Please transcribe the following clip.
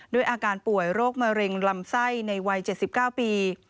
ด้วยอาการป่วยโรคมะเร็งลำไส้ในวัย๗๙ปี